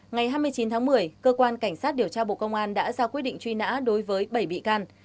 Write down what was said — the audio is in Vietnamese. ngày hai mươi chín tháng một mươi cơ quan cảnh sát điều tra bộ công an đã ra quyết định truy nã đối với bảy bị can